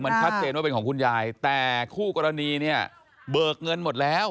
คือมันคัดเชนว่าเป็นของคุณยายแต่คู่กรณีเบอร์เงินหมดแล้ว